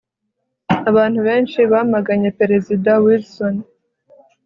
abantu benshi bamaganye perezida wilson